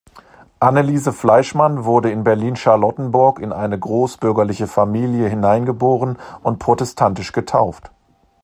Annelise Fleischmann wurde in Berlin-Charlottenburg in eine großbürgerliche Familie hineingeboren und protestantisch getauft.